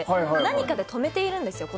何かで留めているんですよ